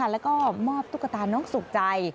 และมอบตุ๊กตาน้องสุขใจ